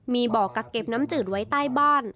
มีบ่อกักเก็บน้ำจืดไว้ใต้บ้าน